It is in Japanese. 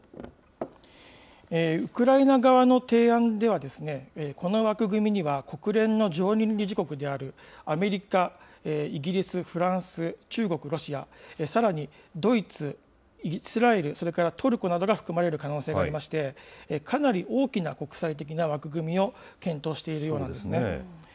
ウクライナ側の提案では、この枠組みには、国連の常任理事国であるアメリカ、イギリス、フランス、中国、ロシア、さらにドイツ、イスラエル、それからトルコなどが含まれる可能性がありまして、かなり大きな国際的な枠組みを検討しているようなんですね。